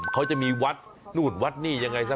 เขาจะมีวัดนู่นวัดนี่ยังไงซะ